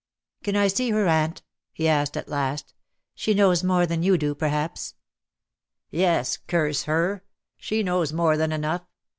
"Can I see her aunt?" he asked at last. "She knows more than you do, perhaps." "Yes, curse her. She knows more than enough.